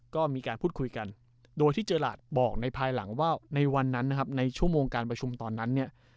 ก็มีการพูดคุยกันโดยที่เจอราชบอกในภายหลังว่าในวันนั้นนะครับในชั่วโมงการประชุมตอนนั้นเนี่ย